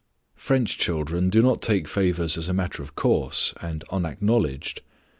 French children do not take favors as a matter of course and unacknowledged.